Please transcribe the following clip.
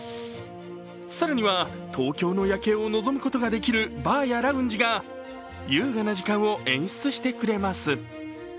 更には、東京の夜景を望むことができるバーやラウンジが優雅な時間を演出してくれます。